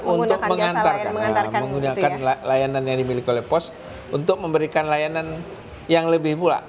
untuk mengantarkan menggunakan layanan yang dimiliki oleh pos untuk memberikan layanan yang lebih mula